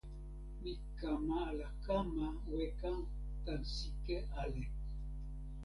mi kama ala kama weka tan sike ale.